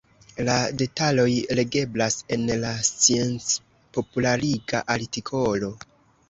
La detaloj legeblas en la sciencpopulariga artikolo.